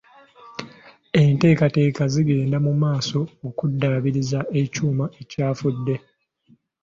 Enteekateeka zigenda mu maaso okuddaabiriza ekyuma ekyafudde.